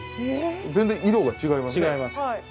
全然色が違いますね